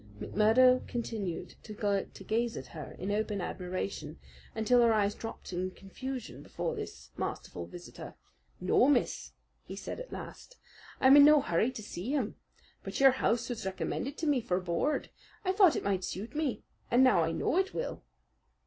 McMurdo continued to gaze at her in open admiration until her eyes dropped in confusion before this masterful visitor. "No, miss," he said at last, "I'm in no hurry to see him. But your house was recommended to me for board. I thought it might suit me and now I know it will."